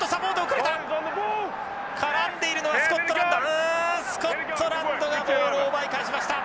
うんスコットランドがボールを奪い返しました。